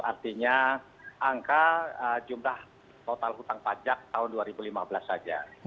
artinya angka jumlah total hutang pajak tahun dua ribu lima belas saja